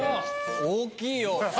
大きいよ。